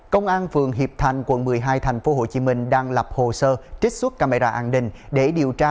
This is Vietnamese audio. công an phường hiệp thành quận một mươi hai tp hcm đang lập hồ sơ trích xuất camera an ninh để điều tra